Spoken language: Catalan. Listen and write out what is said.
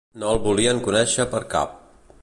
No el volien conèixer per cap.